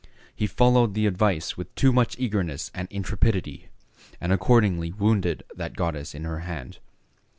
He followed the advice with too much eagerness and intrepidity, and accordingly wounded that goddess in her hand.